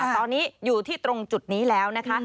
ตอนนี้อยู่ที่ตรงจุดนี้แล้วนะคะ